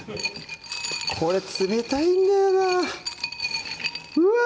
これ冷たいんだよなうわ！